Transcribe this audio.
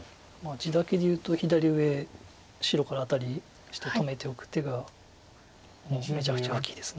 地だけでいうと左上白からアタリして止めておく手がもうめちゃくちゃ大きいです。